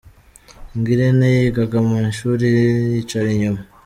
Ngirente yigaga mu ishuli yicara inyuma.